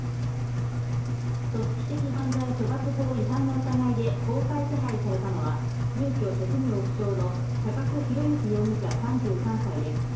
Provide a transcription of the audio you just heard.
組織的犯罪処罰法違反の疑いで公開手配されたのは、住居・職業不詳の鷹巣浩之容疑者３３歳です。